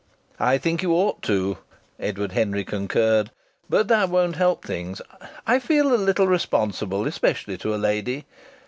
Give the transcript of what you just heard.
"I think you ought to," Edward Henry concurred. "But that won't help things. I feel a little responsible, especially to a lady.